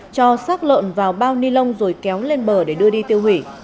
cho xác lợn vào bao ni lông rồi kéo lên bờ để đưa đi tiêu hủy